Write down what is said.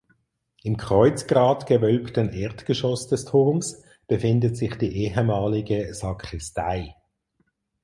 Im kreuzgratgewölbten Erdgeschoss des Turms befindet sich die ehemalige Sakristei.